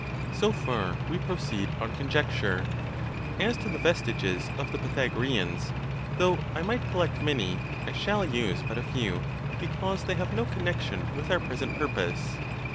So far we proceed on conjecture. As to the ves tiges of the Pythagoreans, though I might collect many, I shall use but a few; because they have no connection with our present purpose.